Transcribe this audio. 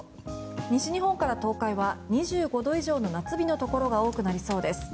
西日本から東海は２５度以上の夏日のところが多くなりそうです。